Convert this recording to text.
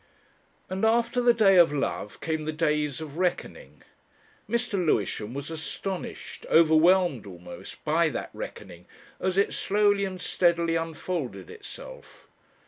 And after the day of Love came the days of Reckoning. Mr. Lewisham was astonished overwhelmed almost by that Reckoning, as it slowly and steadily unfolded itself.